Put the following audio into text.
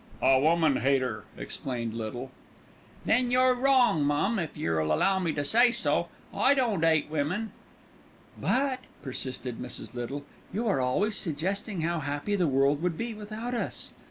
"A woman hater," explained Little. "There you're wrong, mum, if yer'll allow me to say so; I don' 'ate women." "But," persisted Mrs. Little, "you are always suggesting how happy the world would be without us."